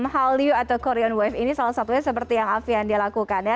hallyu atau korean wave ini salah satunya seperti yang alfiandia lakukan ya